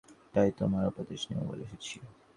তাই তোমার উপদেশ নেব বলে এসেছি।